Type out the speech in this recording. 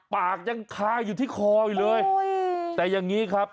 ปากยังคาอยู่ที่คออยู่เลยแต่อย่างนี้ครับ